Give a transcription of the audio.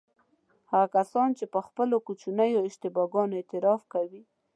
هغه کسان چې پر خپلو کوچنیو اشتباه ګانو اعتراف کوي.